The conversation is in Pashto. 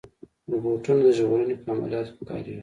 روبوټونه د ژغورنې په عملیاتو کې کارېږي.